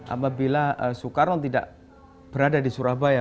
apabila soekarno tidak berada di surabaya